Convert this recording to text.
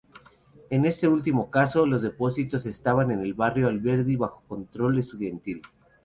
En este último caso, los depósitos estaban en el Barrio Alberdi bajo control estudiantil.